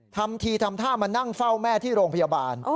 ทำทีทำท่ามานั่งเฝ้าแม่ที่โรงพยาบาล